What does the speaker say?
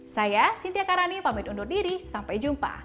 saya cynthia karani pamit undur diri sampai jumpa